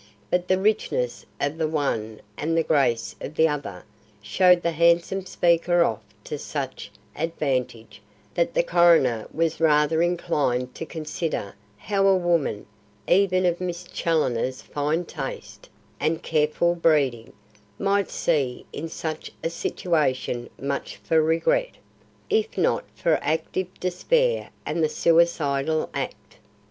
But the richness of the one and the grace of the other showed the handsome speaker off to such advantage that the coroner was rather inclined to consider how a woman, even of Miss Challoner's fine taste and careful breeding, might see in such a situation much for regret, if not for active despair and the suicidal act.